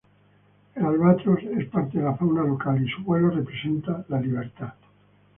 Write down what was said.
El albatros es parte de la fauna local, y su vuelo representa la libertad.